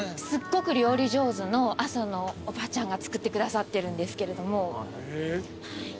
すっごく料理上手の阿蘇のおばあちゃんが作ってくださってるんですけども。